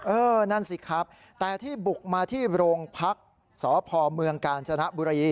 นั่นสิครับแต่ที่บุกมาที่โรงพักษ์สพเมืองกาญจนบุรี